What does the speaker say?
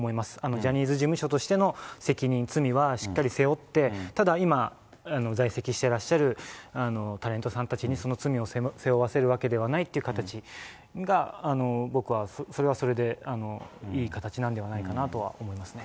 ジャニーズ事務所としての責任、罪はしっかり背負って、ただ、今、在籍してらっしゃるタレントさんたちに、その罪を背負わせるわけではないという形、僕はそれはそれでいい形なんではないかなとは思いますね。